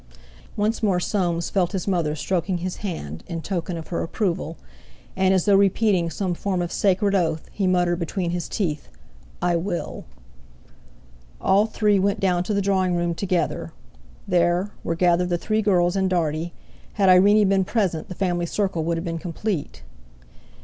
Once more Soames felt his mother stroking his hand, in token of her approval, and as though repeating some form of sacred oath, he muttered between his teeth: "I will!" All three went down to the drawing room together. There, were gathered the three girls and Dartie; had Irene been present, the family circle would have been complete.